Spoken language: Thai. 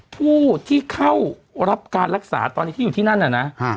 ผู้ที่เข้ารับการรักษาตอนนี้ที่อยู่ที่นั่นน่ะนะ